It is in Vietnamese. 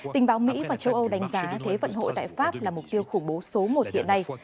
tình báo mỹ và châu âu đánh giá thế vận hội tại pháp là mục tiêu khủng bố số một hiện nay